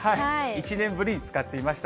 １年ぶりに使ってみました。